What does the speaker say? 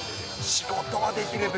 仕事はできる部下。